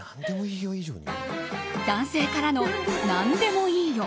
男性からの何でもいいよ。